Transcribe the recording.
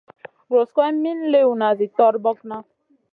Guros guroyna min liwna zi torbokna.